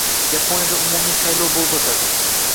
Yaponiyada umumiy saylov bo‘lib o‘tading